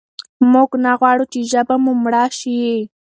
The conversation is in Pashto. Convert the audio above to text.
موږ نه غواړو چې ژبه مو مړه شي.